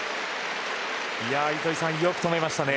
糸井さん、よく止めましたね。